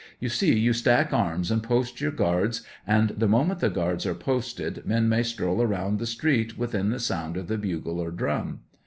You see, you stack arms and post your guards, and the moment the guards are posted, men may stroll around the street within the sound of the bugle or drum.